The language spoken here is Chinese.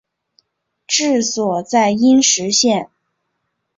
治所在阴石县。